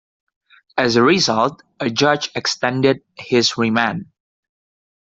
As a result, a judge extended his remand.